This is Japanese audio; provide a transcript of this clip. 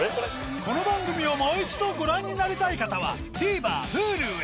この番組をもう一度ご覧になりたい方はＴＶｅｒＨｕｌｕへ